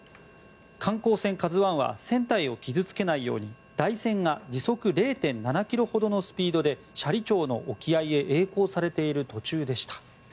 観光船「ＫＡＺＵ１」は船体を傷付けないように台船が時速０．７ｋｍほどのスピードで斜里町の沖合へえい航されている途中でした。